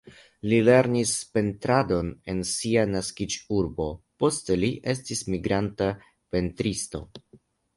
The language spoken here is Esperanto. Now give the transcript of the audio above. Li lernis pentradon en sia naskiĝurbo, poste li estis migranta pentristo.